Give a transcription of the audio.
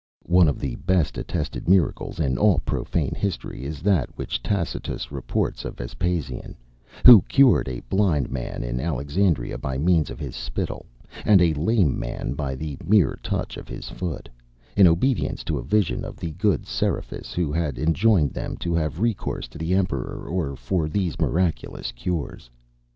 One of the best attested miracles in all profane history, is that which Tacitus reports of Vespasian, who cured a blind man in Alexandria by means of his spittle, and a lame man by the mere touch of his foot; in obedience to a vision of the god Seraphis, who had enjoined them to have recourse to the emperor for these miraculous cures.